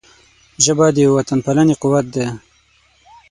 ژبه د وطنپالنې قوت دی